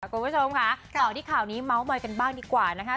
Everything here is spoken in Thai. คุณผู้ชมค่ะต่อที่ข่าวนี้เมาส์มอยกันบ้างดีกว่านะคะ